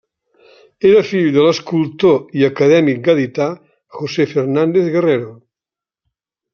Era fill de l'escultor i acadèmic gadità José Fernández Guerrero.